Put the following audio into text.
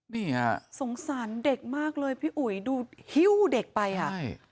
นี่ฮะสงสารเด็กมากเลยพี่อุ๋ยดูฮิ้วเด็กไปอ่ะใช่